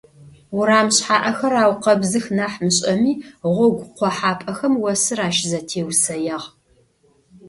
Урам шъхьаӀэхэр аукъэбзых нахь мышӀэми, гъогу къохьапӀэхэм осыр ащызэтеусэягъ.